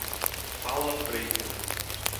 Paula Freitas